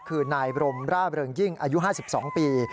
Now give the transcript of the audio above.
คือนายบรมร่าเริงยิ่งอายุ๕๒ปี